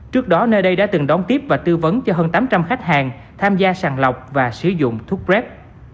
trước đó nơi đây đã từng đón tiếp và tư vấn cho hơn tám trăm linh khách hàng tham gia sàng lọc và sử dụng thuốc rét